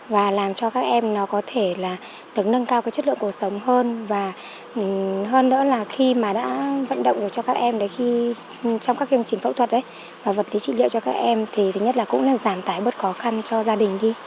và làm cho các em nó có thể là được nâng cao cái chất lượng cuộc sống hơn và hơn nữa là khi mà đã vận động được cho các em đấy khi trong các chương trình phẫu thuật đấy và vật lý trị liệu cho các em thì thứ nhất là cũng là giảm tải bớt khó khăn cho gia đình đi